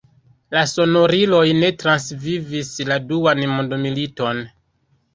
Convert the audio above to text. La sonoriloj ne transvivis la Duan mondmiliton.